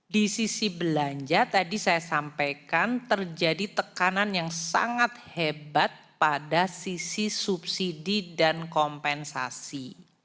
di sisi belanja tadi saya sampaikan terjadi tekanan yang sangat hebat pada sisi subsidi dan kompensasi